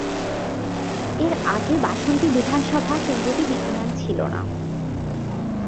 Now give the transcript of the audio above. এর আগে বাসন্তী বিধানসভা কেন্দ্রটি বিদ্যমান ছিল না।